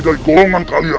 dari golongan kalian